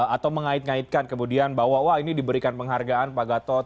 atau mengait ngaitkan kemudian bahwa wah ini diberikan penghargaan pak gatot